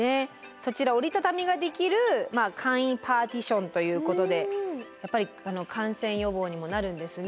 そちら折り畳みができる簡易パーティションということでやっぱり感染予防にもなるんですね。